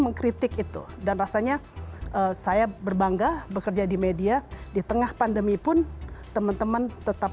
mengkritik itu dan rasanya saya berbangga bekerja di media di tengah pandemi pun teman teman tetap